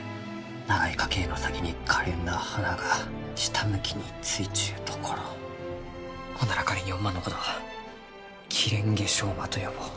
長い花茎の先にかれんな花が下向きについちゅうところほんなら仮におまんのことはキレンゲショウマと呼ぼう。